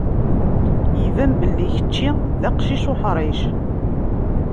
Iban belli kečči d aqcic uḥṛic.